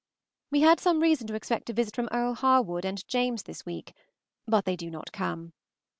We had some reason to expect a visit from Earle Harwood and James this week, but they do not come.